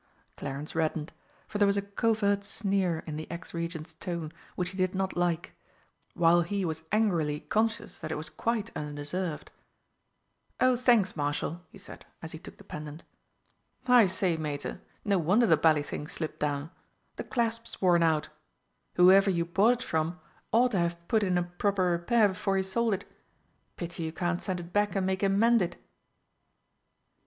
Clarence reddened for there was a covert sneer in the ex Regent's tone which he did not like, while he was angrily conscious that it was quite undeserved. "Oh thanks, Marshal," he said as he took the pendant. "I say, Mater, no wonder the bally thing slipped down the clasp's worn out. Whoever you bought it from ought to have put it in proper repair before he sold it. Pity you can't send it back and make him mend it!"